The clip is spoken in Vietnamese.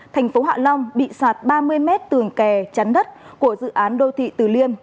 thành phố hạ long bị sạt ba mươi mét tường kè chắn đất của dự án đô thị từ liêm